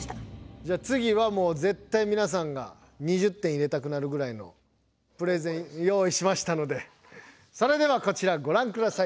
じゃつぎはもうぜったいみなさんが２０点入れたくなるぐらいのプレゼンよういしましたのでそれではこちらごらんください。